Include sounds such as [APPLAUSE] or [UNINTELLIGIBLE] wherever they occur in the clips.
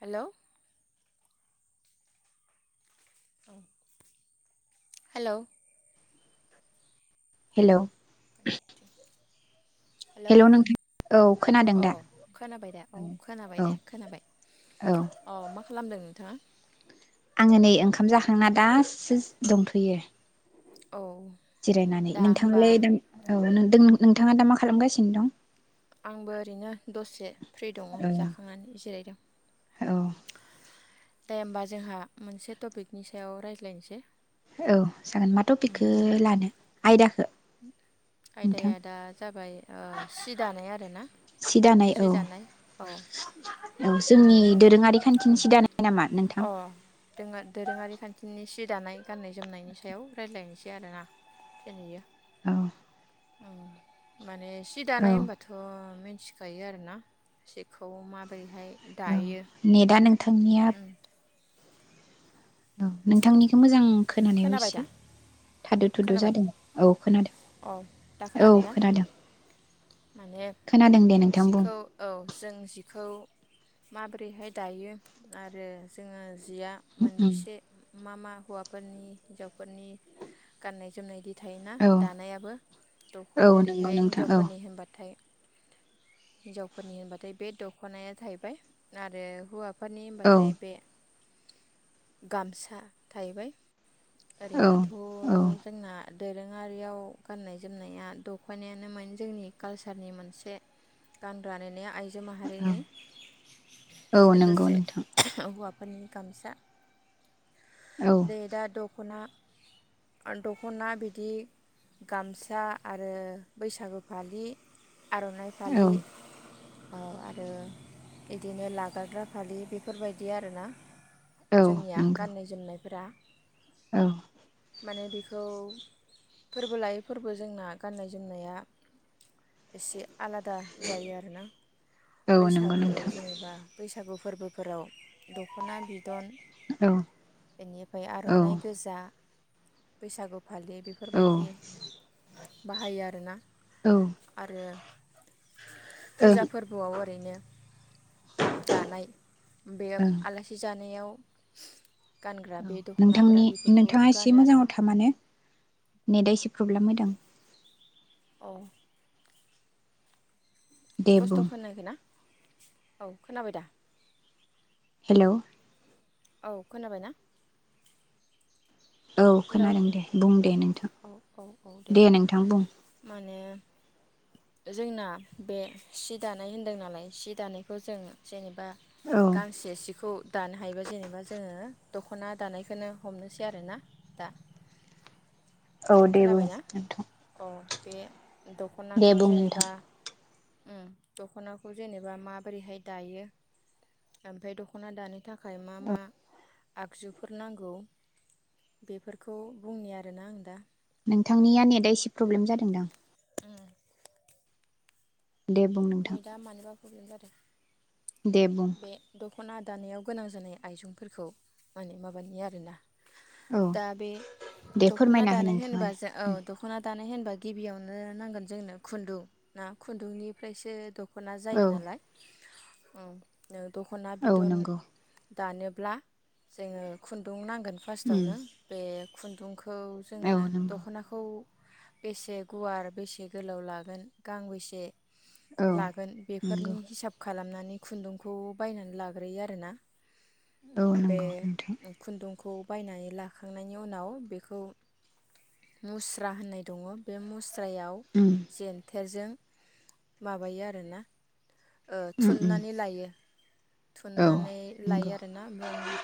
Hello hello hello [INAUDIBLE] hello नोंथां औ खोनादों दा अह खोनाबाय दे औ खोनाबाय औ दे खोनाबाय औ अह मा खालामदों? थाङा आङो नै ओंखाम जाखांना दासो दंथ'यो। औ जिरायनानै दा होमबा नोंथाङालाय दों औ नों ओं नंगौ नोंथाङा दा मा खालामगासिनो दं? आंबो ओरैनो दसे फ्रि दङ औ जाखांनानै जिरायदों औ दे होमबा जोंहा मोनसे टपिकनि सायाव रायज्लायनोसै औ जागोन मा उम थपिकखो लानो? आयदाखो आयदाया दा जाबाय ओ सि दानाय आरोना सि दानाय सि औ दानाय अ औ जोंनि उम दोरोङारि खान्थिनि उम सि दानाय नामा नोंथां अ दोङो दोरोङारि खान्थिनि सि दानाय गान्नाय जोमनायनि सायाव रायज्लायनोसै आरोना दिनैयो औ औ माने सि औ दानाय होनबाथ' मि थिखायो आरोना सिखौ मा बोरैहाय औ दायो नेटआ नोंथांनिया उम औ नोंथांनिखौ मोजां खोनानायाव खोनाबाय दा एसे थादु थुदु खोनाबाय जादों औ औ दा खोनादों औ खोनाबायना खोनादों। माने खोनादों दे नोंथां सिखौ औ जों जि खौ माबोरैहाय दायो आरो जोङो जिया बुं मोनबैसे मा मा हौवाफोरनि हिन्जावफोरनि गाननाय जोमनायनि थायोना औ दानायाबो दख' औ नंगौ जेरैहाय नोंथां औ हिनजावफोरनि होनबाथाय हिनजावफोरनि होनबाथाय बे दखनाया जाहैबाय आरो हौवा फोरनि औ हबाथाय बे गामसा थाहैबाय औ औ ओरैनोथ' दोरोङारियाव गान्नाय जोमनाया दख'नायानो मोन जोंनि कालसारनि मोनसे गानग्रा नुनाय आइ जो औ माहारिनि औ नंगौ लोगोसे नोंथां हौवा फोरनि गामसा औ दे दा द दख'ना दख'ना बिदि गामसा आरो बैसागु फालि आर'नाइ औ फालि औ आरो इदिनो लाबायग्रा फालि बेफोरबायदि आरोना। औ जोंनिया नंगौ गाननाय जोमनाय [UNINTELLIGIBLE] औ माने बेखौ फोरबो लायै फोरबो जोंना गाननाय जोमनाया एसे आलादा जायो आरोना औ नंगौ बैसागु नोंथां जेनेबा बैसागु फोरबोफोराव दख'ना बि दन औ बेनिफ्राय औ आर'नाइ गोजा। बैसागु फालि औ बेफोरबायदि बाहायो आरोना ओं आरो ओं फुजा फोरबोआव ओरैनो दानाय बे औ आलासि जानायाव [UNINTELLIGIBLE] गानग्रा बे दख'नाफोरा नोंथांनि बेफोरखौ नोंथाङा एसे गानो आरो मोजाङाव था माने नेटआ एसे प्रब्लेम होदों। औ दे स्पस्त' बुं खोनायाखै ना? औ खोनाबाय दा? हेलौ औ खोनाबाय ना? औ हेलौ खोनादों दे बुं दे नोंथां औ औ औ दे नोंथां बुं माने जोंना बे सि दानाय होनदों नालाय सि दानायखौ जों जेनेबा औ गांसे सिखौ दानो हायोबा जेनेबा जोङो दखना दानायखोनो हमनोसै आरो ना दा औ दे बुं खोनाबायना नोंथां। अ बे दे दखनाखौ बुं नोंथां जेनेबा उम दखनाखौ जेनेबा माबोरैहाय दायो ओमफ्राय दखना दानो थाख थाखाय मा मा? आगजुफोर नांगौ बेफोरखौ बुंनि आरोना आं दा नोंथांनिया नेट [UNINTELLIGIBLE] प्रब्लेम जादों दां। दे बुं नोंथां। नै दा मानोबा प्रब्लेम जादो। दे बुं। खना दानायाव गोनां जानाय आइजुंफोरखौ माने माबानि आरोना। औ दा बे दे दखना फोरमायना हो दानाय होनोबा नोंथाङानो जों औ दखना दानाय होनबा गिबियावनो नांगोन जोंनो खुन्दुं ना खुन्दुंनिफ्रायसो दख दखना औ जायो नालाय। औ दखना औ बिदन। नंगौ दानोब्ला जोङो खुन्दुं नां गोन उम फास्टावनो बे खुन्दुंखौ खौ औ जोङो नंगौ दखनाखौ बेसे गुवार बेसे गोलाव लागोन गांबेसे औ लागोन नंगौ बेफोरनि हिसाब खालामनान नै खुन्दुं खौ बायनानै लाग्रोयो आरो ना? औ नोंगौ नोंथां। खौ बायनानै लाखांनायनि उनाव बेखौ मुस्रा होननाय दङ बे मुस स्रायाव उम जेन्थ थेरजों माबायो आरोना? ओ उम उम थुननानै लायो। औ थुननानै नंगौ लायो ना ओमफाय ओं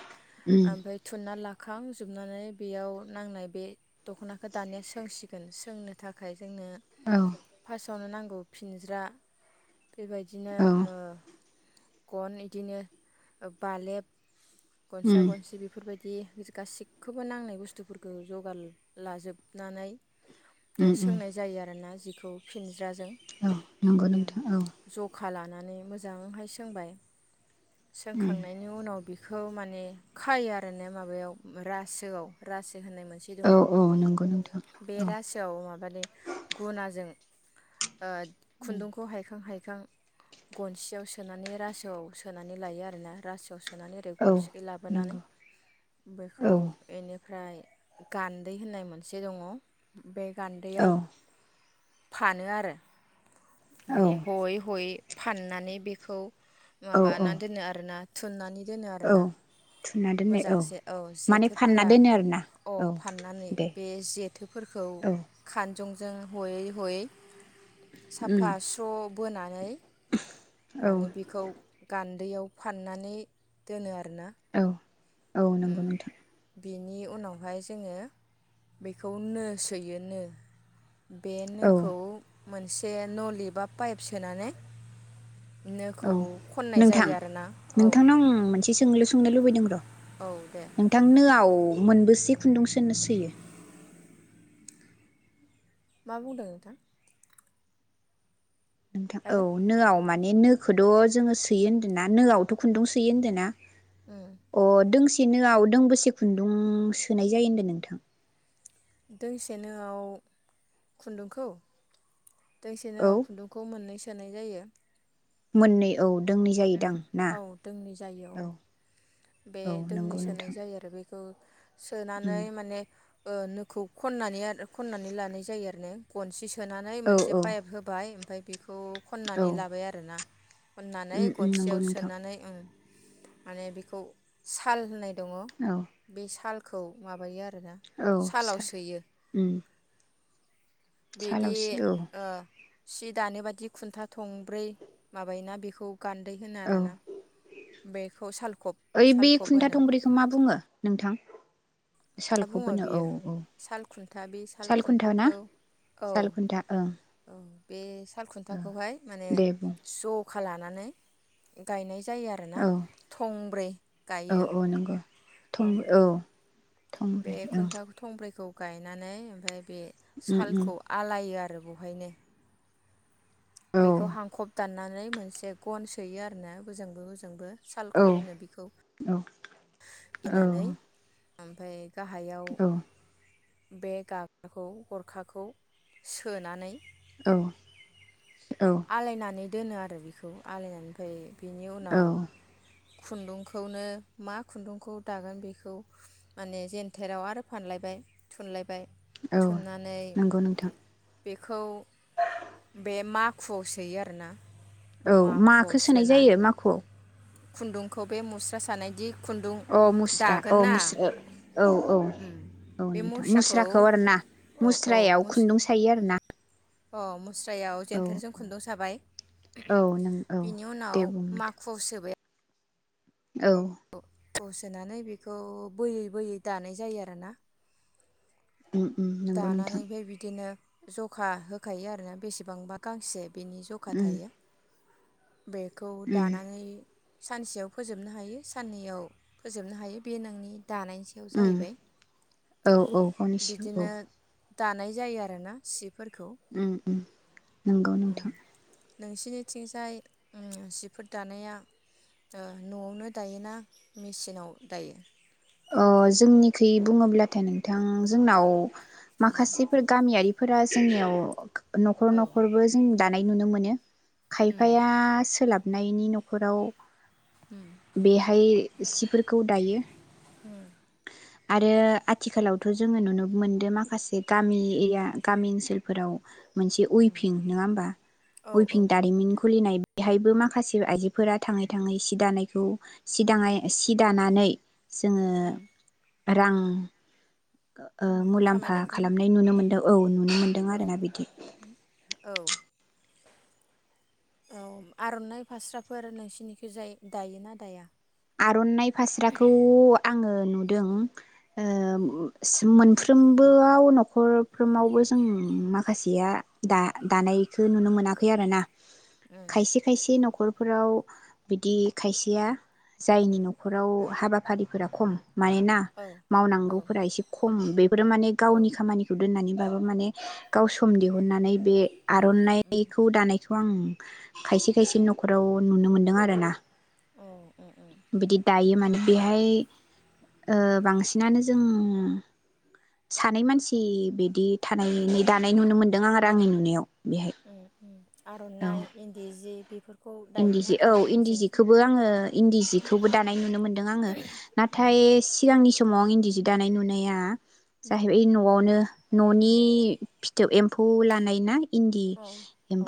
उम ओमफाय थुन ना लाखांजोबनानै बेयाव नांनाय बे दख'नाखौ दानिया सोंसिगोन सोंनो थाखाय जोंनो औ फास सावनो नांगौ फिनज्रा बेबायदिनो औ ओम गन इदिनो ओ बालेब गनसा उम गनसि बेफोरबाय दि गासैखौबो नांनाय बुस्थुफोरखौ जगार लाजोबनानै ओ उम उम सोंनाय जायो आरोना जि खौ फिन औ नंगौ नोंथां औ खा लानानै मोजांहाय सोंबाय उम सोंखांनायनि उनाव बे बेखौ माने खायो आरोना माबायाव अम रासोआव रासो होननाय मोनसे औ दङ' औ नंगौ नोंथां बे औ रासोआव माबादि गुनाजों ओ उम खुन्दुंखौ हायखां हाय खां गनसियाव सोनानै रासोआव सोनानै लायो आरोना रासोयाव सो नानै ओरै औ गनसिखै लाबोनानै नंगौ बेखो औ इनि ओमफ्राय गान्दै होननाय मोनसे दङ। बे औ गान्दैयाव फानो आरो औ माने हयै-हयै फाननानै बेखौ औ औ माबाना दोनो आरोना थुननानै दोनो औ आरोना थुना दोननाय मोजांसे औ माने फानना जेथोफोरा दोनो आरोना औ फाननानै दे बे जेथोफोरखौ औ खान जंजों हयै-हयै उम फासाव बोनानै औ माने बिखौ गान दैयाव फाननानै दोनो आ औ औ नंगौ नोंथां बेनि उनावहाय जोंङो बेखौ नो सोयो नो बे औ नोखौ मोनसे नलि बा पाइप सोनानै औ नोखौ खननाय नोंथां जायो आरोना औ नोंथांनाव आं मोनसे सोंलु सोंनो लुबैदों र औ दे नोंथांनो आव मोनबोसे खुन्दुंसोनो सैयो? मा बुंदों नोंथां? नोंथां औ आइल' नोआव माने माने नोखोद जोङो सोयो होन्दो ना नोआवथ खुन्दुं सोयो होनदोना? [INAUDIBLE] अ दोंसे एनोआव दों बोसे खुन्दुं सोनाय जायो होनदो नोंथां? दोंसेनोआव खुन्दुंखौ दोंसे औ नोआव खुन्दुंखौ मोननै सोनाय जायो मोननै औ दोंनै जायोदां उम ना औ दोंनै जायो औ बे औ दोंनै नंगौ सोनाय नोंथां जायो आरो बे [UNINTELLIGIBLE] उम सोनानै माने औ नोखौ खननानै आर खननानै लानाय जायो आरो ना गनसि सनानै औ मोनसे औ पाइप होबाय फाय बेखौ औ खननानै लाबाय आरोना नै उम उम नंगौ गनसियाव नोंथां सोनानै [UNINTELLIGIBLE] माने बिखौ‌ साल होननाय दङ औ बे साल खौ माबायो आ रो औ सालाव साल सोयो उम बिदि सालावसि औ ओ सि दानो बादि खुन्था थंब्रै माबायोना बेखौ गान्दै होनो औ आरोना बेखौ सालखब ओइ बे सालखब खुन्था होनो थंब्रैखौ मा बुङो नोंथां? था सालखौ बुङो बोनो औ बेयो औ साल खुन्था बे साल खुन्था ना खुन्थाखौ औ साल खुन्था ओं औ बेस साल खुन्थाखौहाय माने दे बुं ज खा लानानै गायनाय जायो आरोना औ थंब्रै औ गायो औ नंगौ औ बे थंब्रै ओं खुन्था थंब्रैखौ गायनानै ओमफाय बे उम उम सालखौ आलायो आ रो बहायनो औ बेखौ हांखब दानना नै मोनसे गन सोयो आरो ना बोजोंबो होजोंबो औ सालखब होनो बिखौ औ बिनानै ओमफाय गाहायाव बे गाग्राखौ गरखाखौ सोनानै औ औ आलायनानै दोनो आरो बेखौ आलायनानै ओमफाय बिनि औ उनाव खुन्दुंखौनो मा खुन्दुंखौ दागोन बेखौ माने जेेनथेराव आरो फानलायबाय थुनलाय बाय औ थुननानै नंगौ नोंथां बेखौ बे माखुआव सोयो आरोना औ माखुआव माखो सोनाय सोनानै जायो माखुआव? खुन्दुंखौ बे मुस्रा सानायदि खुन्दुं औ मुस्रा दागोन औ ना मुस ओ औ औ औ नोंथां मुस्राखौ आरोना अ अ मुस्रायाव मुस खुन्दुं सायो आरोना अ मु स्रायाव औ जेन्थोरजों खुन्दुं साबाय औ नों औ [UNINTELLIGIBLE] बिनि दे उनाव बुं नोंथां माखुआव सोबाय औ थ'आव सोनानै बेखौ बोयै बोयै दानाय जायो आरोना उम उम नंगौ नोंथां दानानै बे बिदिनो जखा होखायो आरोना बेसेबांबा गांसे बिनि जखा उम थायो। बेखौ उम दानानै सानसेयाव फोजोबनो हायो साननैयाव फोजोबनो हायो बे नोंनि दानायनि सायाव उम जाहैबाय औ औ गावनिसो नो दानाय जायो आरो ना सि उम उम। नोंगौ नोंथां। नोंसिनिथिंजाय ओ जिफोर दानाया ओ नआवनो दायोना मेचिनाव दायो। अ जोंनिखै बुङोब्लाथाय नोंथां जोंनाव माखासेफोर गामियारि फोरा जोंनियाव न'खर औ न'खरबो जों दानाय नुनो मोनो। उम खायफाया सोलाब नायनि नखराव बेहाय सिफोरखौ दायो। उम। आरो आथिखालावथ जोंङो नुनो मोनदों माखासे गामि एरिया गामि ओनसोलफोराव मोनसे वेभिं नङा होमबा वेभिं दारिमिन खुलिनाय बेहायबो माखासे आयजोफोरा थाङै थाङै सि दानायखौ सिदांयाय सि दानानै जोंङो उम रां ओ उम मुलाम्फा खामायनायखौ खालामनाय नुनो उम मोनदो औ नुनो मोनदों औ आरो ना बिदि। औ औ आरनाइ फास्राफोर नोंसिनिखिजाय दायोना दाया। आरनाइ फास्राखौ आंङो नु नुदों मोनफ्रोमबोआव न'खरफ्रोमावबो जों माखासेया दा-दानायखौ नुनो मोनाखै आरो ना। उम खायसे खायसे न नखरफोराव बिदि खायसेया जायनि उम नखराव हाबा फारिफोरा खम मानोना औ औ मावनांगौफोरा एसे खम बेफोरो माने औ गावनि खामानिखौ दोननानै बाबो माने गाव सम दिहुननानै बे आरनाइखौ दानायखौ आं खायसे खायसे नखराव नुनो मोन्दों आरो ना। अ ओ। बिदि दायो माने बेहाय ओ बांसिनानो जों सानै मानसि बिदि थानायनि दानाय नुनो मोनदों आं आरो आंनि नुनायाव। बेहाय। उम उम औ आरनाइ इन्दि जि बेफोरखौ इन्दि सि दायोना औ दाया इन्दि नोंसोरनिखै? सिखौबो आङो इन्दि सिखौबो दानाय नुनो मोनदों आङो उम नाथाय सिगांनि समाव आं इन्दि सि दानाय नुनाया, उम जाहैबाय न'आवनो न'नि उम फिथोब एम फुलानायनाय इन्दि औ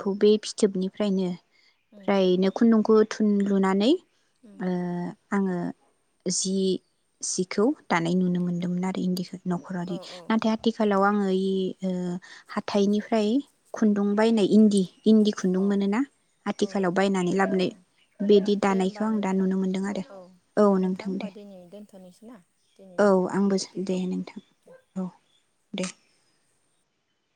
औ बे फिथोबनि फ्रायनो उम ओमफ्रायनो खुन्दुंखौ थुन लुनानै उम ओ आङो जि जिखौ दानाय नुनो मोन्दोंमोन आरो इन्दिखौ न'खरारि औ औ नाथाय आथिखालाव आङो गैयि ओ हाथाइनिफ्राय, खुन्दुं बायनाय उम इन्दि इन्दि औ खुन्दुं मोनोना औ आथिखालाव बायनानै औ लाबोनाय बिदि दे दानायखौ होमबा आं दा नोंथां नुनो मोन्दों आरो औ नोंथां होमबा दे, दिनै दोनथ'नोसै ना दिनैनि औ आंबो दे टपिकखौ नोंथां औ दे